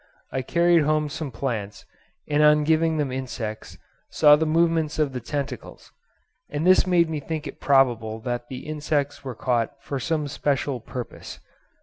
I carried home some plants, and on giving them insects saw the movements of the tentacles, and this made me think it probable that the insects were caught for some special purpose.